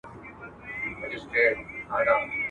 شهنشاه یمه د غرونو زه زمری یم!